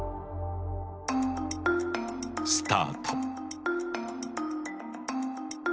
スタート。